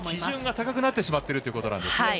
基準が高くなってしまっているということですね。